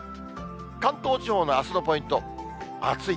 関東地方のあすのポイント、暑い。